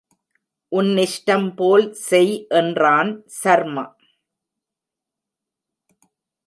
உன்னிஷ்டம் போல் செய் என்றான் சர்மா.